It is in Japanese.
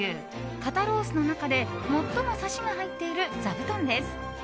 肩ロースの中で、最もサシが入っているザブトンです。